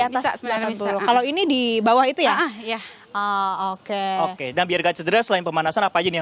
atas kalau ini di bawah itu ya ya oke oke dan biar gak cedera selain pemanasan apa aja yang